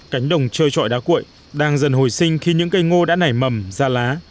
cánh đồng chơi trọi đá cuội đang dần hồi sinh khi những cây ngô đã nảy mầm ra lá